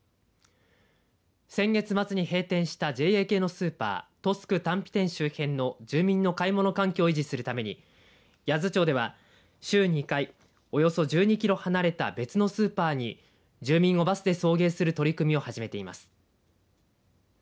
先月末に閉店したＪＡ系のスーパートスク丹比店周辺の住民の買い物環境を維持するために八頭町では週２回およそ１２キロ離れた別のスーパーに住民をバスで送迎する取り組みを始めています。